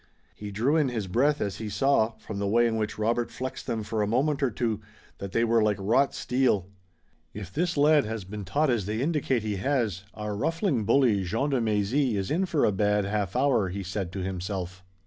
He drew in his breath as he saw, from the way in which Robert flexed them for a moment or two that they were like wrought steel. "If this lad has been taught as they indicate he has, our ruffling bully, Jean de Mézy, is in for a bad half hour," he said to himself.